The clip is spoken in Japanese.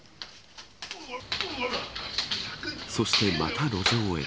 そしてまた路上へ。